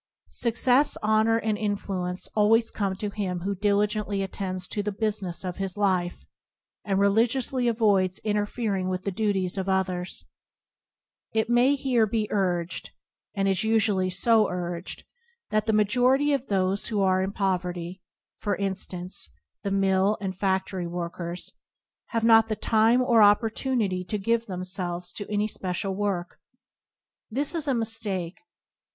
Success, honour, and influence always come to him who diligently attends to the business of his life, and religiously avoids interfering with the duties of others. It may here be urged — and is usually so urged — that the majority of those who are in poverty — for instance, the mill and fac tory workers — have not the time or oppor tunity to give themselves to any special [45 ] a9an: ^tngof^tnD work. This is a mistake.